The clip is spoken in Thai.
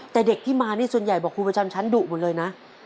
แต่เด็กที่มานี่ส่วนใหญ่บอกครูประจำชั้นดุหมดเลยนะ